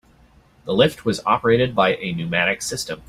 The lift was operated by a pneumatic system.